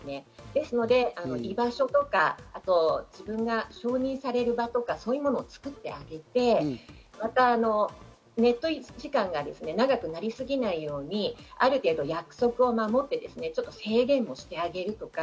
なので居場所とか、自分が承認される場とか、そういうもの作ってあげてネット時間が長くなりすぎないようにある程度、約束を守って、制限もしてあげるとか。